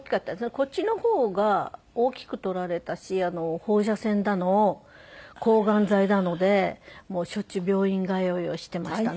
こっちの方が大きく取られたし放射線だの抗がん剤だのでしょっちゅう病院通いをしていましたね。